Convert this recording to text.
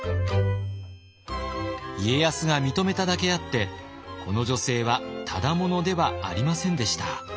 家康が認めただけあってこの女性はただ者ではありませんでした。